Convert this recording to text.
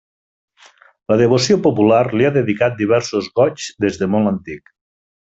La devoció popular li ha dedicat diversos Goigs des de molt antic.